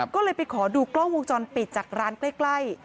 ก็เลยไปขอดูกล้องวงจรปิดจากร้านใกล้